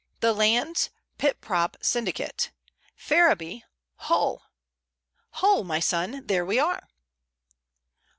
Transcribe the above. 'The Landes Pit Prop Syndicate, Ferriby, Hull.' Hull, my son. There we are."